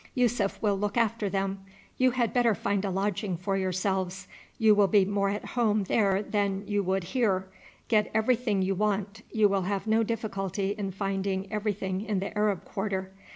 "Yussuf will look after them. You had better find a lodging for yourselves. You will be more at home there than you would here. Get everything you want; you will have no difficulty in finding everything in the Arab quarter.